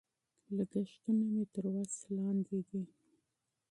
لګښتونه مې په کنټرول کې دي.